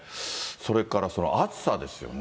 それから暑さですよね。